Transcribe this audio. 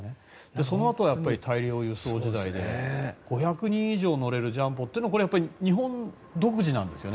そのあと大量輸送時代で５００人以上乗れるジャンボって日本独自なんですよね。